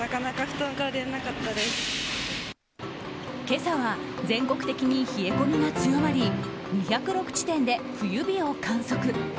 今朝は全国的に冷え込みが強まり２０６地点で冬日を観測。